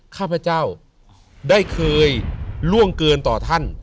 ข้าพเจ้าได้เคยล่วงเกินต่อท่าน